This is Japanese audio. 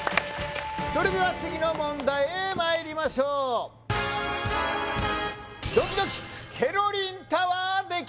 それでは次の問題へまいりましょう何？